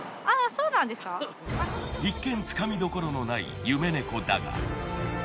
一見つかみどころのない夢猫だが。